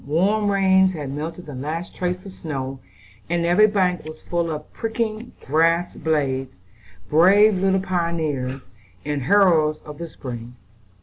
Warm rains had melted the last trace of snow, and every bank was full of pricking grass blades, brave little pioneers and heralds of the Spring.